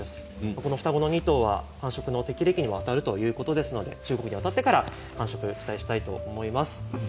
この双子の２頭は、繁殖の適齢期にもあたるということですので中国に渡ってから繁殖を期待したいと思います。